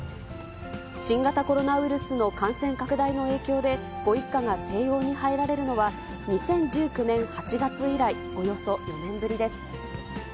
新型コロナウイルスの感染拡大の影響で、ご一家が静養に入られるのは、２０１９年８月以来、およそ４年ぶりです。